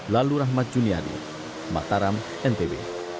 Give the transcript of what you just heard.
lalu rahmat juniadi mataram ntb